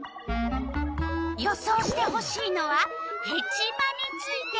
予想してほしいのは「ヘチマ」について。